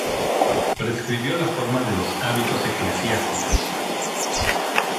Prescribió la forma de los hábitos eclesiásticos.